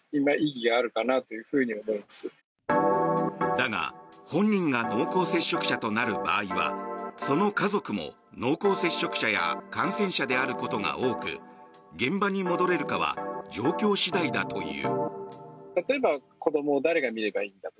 だが本人が濃厚接触者となる場合はその家族も濃厚接触者や感染者であることが多く現場に戻れるかは状況次第だという。